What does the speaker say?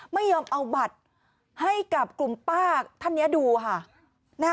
ไม่ยอมเอาบัตรให้กับกลุ่มป้าท่านนี้ดูค่ะ